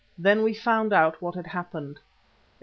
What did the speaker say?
Then we found out what had happened.